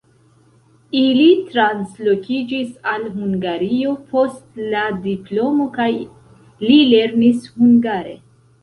Ili translokiĝis al Hungario post la diplomo kaj li lernis hungare.